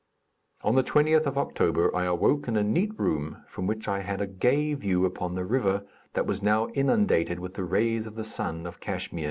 On the 20^th of October I awoke in a neat room, from which I had a gay view upon the river that was now inundated with the rays of the sun of Kachmyr.